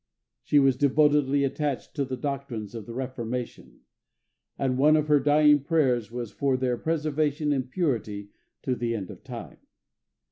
She was devotedly attached to the doctrines of the Reformation, and one of her dying prayers was for their preservation in purity to the end of time.